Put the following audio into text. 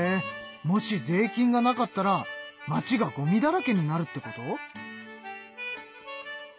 もし税金がなかったら町がごみだらけになるってこと？